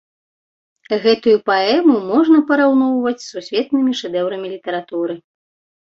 Гэтую паэму можна параўноўваць з сусветнымі шэдэўрамі літаратуры.